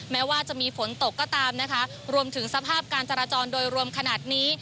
แม้ว่าจะมีฝนตกก็ตามนะคะรวมถึงสภาพการจราจรโดยรวมขนาดนี้